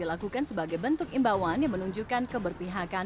dilakukan sebagai bentuk imbauan yang menunjukkan keberpihakan